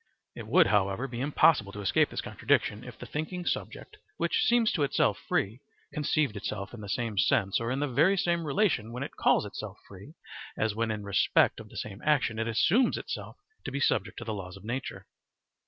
It would, however, be impossible to escape this contradiction if the thinking subject, which seems to itself free, conceived itself in the same sense or in the very same relation when it calls itself free as when in respect of the same action it assumes itself to be subject to the law of nature.